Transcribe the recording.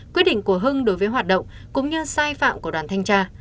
quyết định của hưng đối với hoạt động cũng như sai phạm của đoàn thanh tra